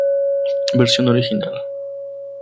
Versión original